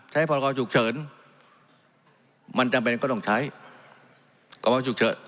พรกรฉุกเฉินมันจำเป็นก็ต้องใช้กรฉุกเฉิน